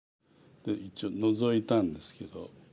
一応ノゾいたんですけど。